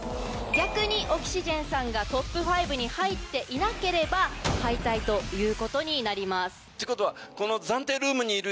逆にオキシジェンさんがトップ５に入っていなければ敗退ということになります。